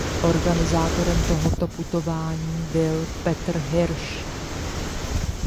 Organizátorem tohoto putování byl Petr Hirsch.